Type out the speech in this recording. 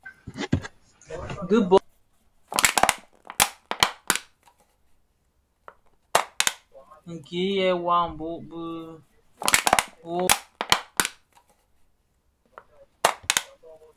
Dhi bō be fa bo kidhotèna kil è wambue pi: wō ghèè më fe?